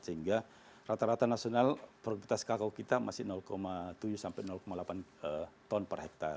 sehingga rata rata nasional produktivitas kakao kita masih tujuh sampai delapan ton per hektare